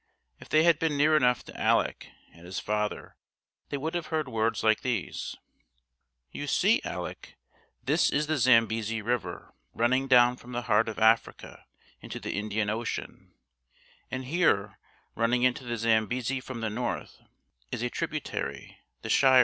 If they had been near enough to Alec and his father they would have heard words like these: "You see, Alec, this is the Zambesi River running down from the heart of Africa into the Indian Ocean, and here running into the Zambesi from the north is a tributary, the Shiré.